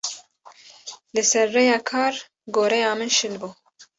Li ser rêya kar goreya min şil bû.